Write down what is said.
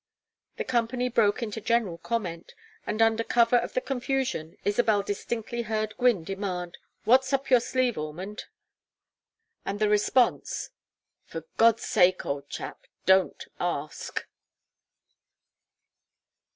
The company broke into general comment, and under cover of the confusion Isabel distinctly heard Gwynne demand: "What's up your sleeve, Ormond?" And the response: "For God's sake, old chap, don't ask!"